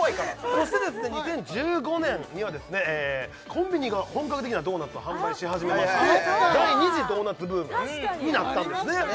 そして２０１５年にはコンビニが本格的なドーナツを販売し始めまして第２次ドーナツブームになったんですね